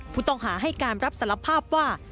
ผู้ต้องหาให้การรับสารภาพว่า